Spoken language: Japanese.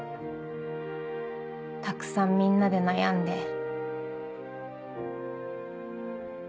たくさんみんなで悩んで。